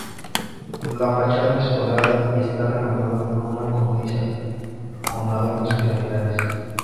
La fachada es cuadrada y está rematada por una cornisa con adornos piramidales.